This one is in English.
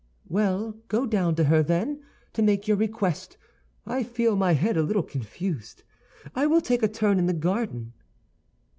"Well, go down to her, then, to make your request. I feel my head a little confused; I will take a turn in the garden."